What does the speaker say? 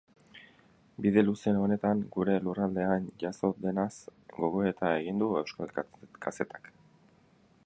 Bide luze honetan gure lurraldean jazo denaz gogoeta egin du euskal kazetak.